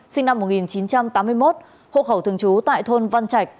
sinh năm một nghìn chín trăm tám mươi một hộ khẩu thường trú tại thôn văn trạch